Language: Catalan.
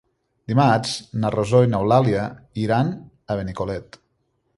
Dimarts na Rosó i n'Eulàlia iran a Benicolet.